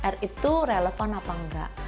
r itu relevan apa enggak